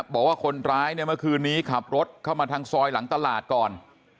บอกว่าคนร้ายเมื่อคืนนี้ขับรถเข้ามาทางซอยหลังตลาดก่อน